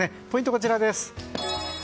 ポイント、こちらです。